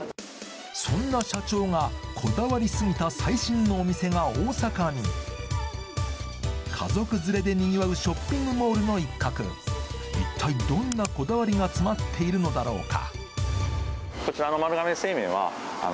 そんな社長がこだわりすぎた最新のお店が大阪に家族連れでにぎわうショッピングモールの一角一体どんなこだわりが詰まっているのだろうか？